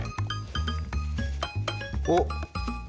おっ。